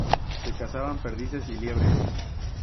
Se cazaban perdices y liebres.